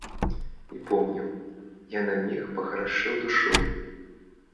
І, помню, я на міг пахарашэў душою.